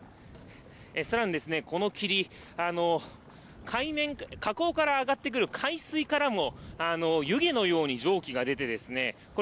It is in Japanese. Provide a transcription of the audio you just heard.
さらにこの霧、河口から上がってくる海水からも湯気のように蒸気が出て、これ、